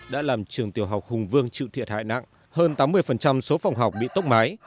đã làm trường tiểu học hùng vương chịu thiệt hại nặng hơn tám mươi số phòng học bị tốc mái